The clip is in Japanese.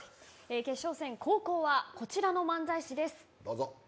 決勝戦後攻はこちらの漫才師です。